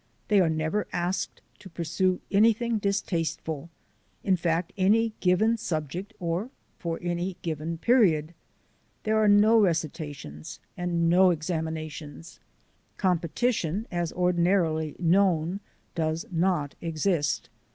They are never asked to pursue anything distasteful, in fact, any given subject or for any given period. There are no recitations and no examinations. Competition, as ordinarily known, does not exist.